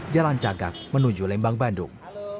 jalan cagak menuju lembang bandung